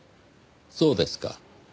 そうですか。